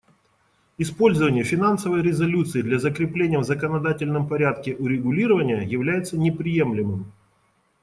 Использование финансовой резолюции для закрепления в законодательном порядке урегулирования является неприемлемым.